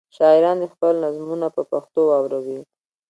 شاعران دې خپلې نظمونه په پښتو واوروي.